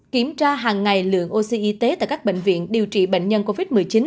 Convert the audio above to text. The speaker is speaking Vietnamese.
kiểm tra hàng ngày lượng oxy y tế tại các bệnh viện điều trị bệnh nhân covid một mươi chín